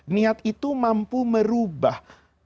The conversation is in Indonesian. niat itu mampu merubah